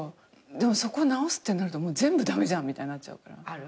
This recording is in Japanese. でもそこ直すってなると全部駄目じゃんみたいになっちゃうから。